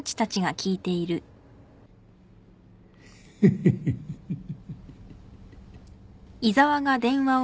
フフフフフ。